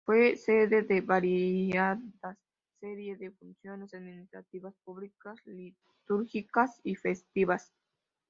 Fue sede de una variadas serie de funciones administrativas, públicas, litúrgicas y festivas.